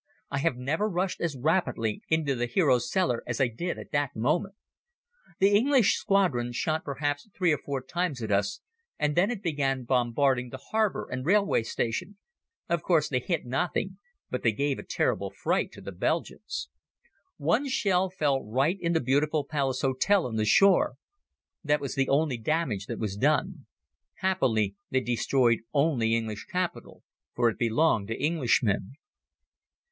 I have never rushed as rapidly into the hero's cellar as I did at that moment. The English squadron shot perhaps three or four times at us and then it began bombarding the harbor and railway station. Of course they hit nothing but they gave a terrible fright to the Belgians. One shell fell right in the beautiful Palace Hotel on the shore. That was the only damage that was done. Happily they destroyed only English capital, for it belonged to Englishmen.